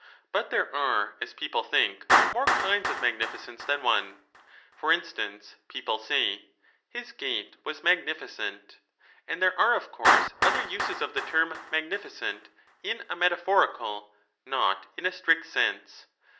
But there are, as people think, more kinds of magni ficence than one ; for instance, people say, ' his gait was 15 magnificent,' and there are of course other uses of the term ' magnificent ' in a metaphorical, not in a strict sense.